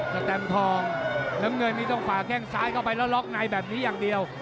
แตมทองน้ำเงินนี่ต้องฝ่าแข้งซ้ายเข้าไปแล้วล็อกในแบบนี้อย่างเดียว